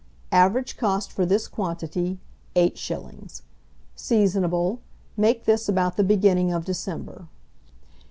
Average cost for this quantity, 8s. Seasonable. Make this about the beginning of December.